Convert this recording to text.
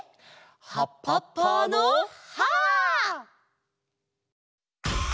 「はっぱっぱのハーッ！」。